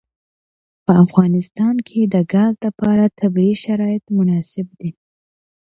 په افغانستان کې د ګاز لپاره طبیعي شرایط مناسب دي.